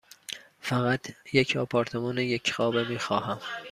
فقط یک آپارتمان یک خوابه می خواهم.